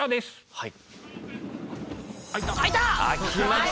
はい。